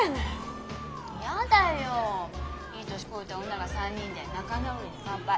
いい年こいた女が３人で仲直りに乾杯。